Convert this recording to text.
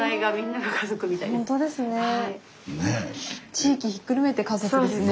地域ひっくるめて家族ですね。